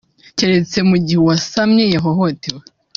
keretse mu gihe uwasamye yahohotewe